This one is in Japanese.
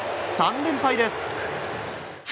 ３連敗です。